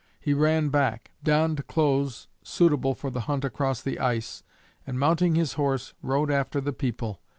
He ran back, donned clothes suitable for the hunt across the ice, and, mounting his horse, rode after the people.